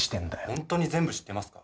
本当に全部知ってますか？